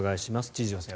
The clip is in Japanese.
千々岩さん